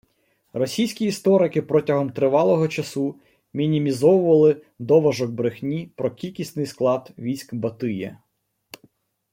Російські історики протягом тривалого часу мінімізовували «доважок брехні» про кількісний склад військ Батия